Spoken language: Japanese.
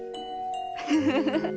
フフフフッ。